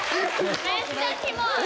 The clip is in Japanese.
めっちゃキモい！